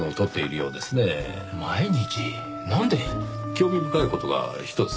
興味深い事がひとつ。